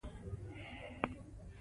ځاله، ځان، ځکه، ځير، ځه، ځم، ځي